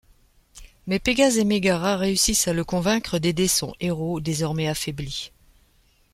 Mais Pégase et Mégara réussissent à le convaincre d'aider son héros, désormais affaibli.